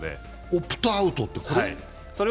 オプトアウトって、これ？